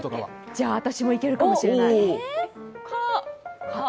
じゃあ、私もいけるかもしれない。